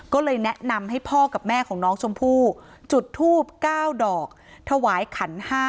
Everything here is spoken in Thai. ก็เลยแนะนำให้พ่อกับแม่ของน้องชมพู่จุดทูบ๙ดอกถวายขัน๕